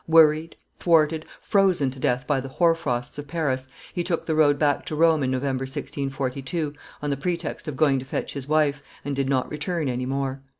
Worried, thwarted, frozen to death by the hoarfrosts of Paris, he took the road back to Rome in November, 1642, on the pretext of going to fetch his wife, and did not return any more.